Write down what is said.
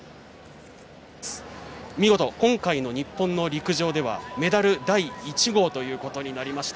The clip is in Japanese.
見事、今回の日本の陸上ではメダル第１号ということになりました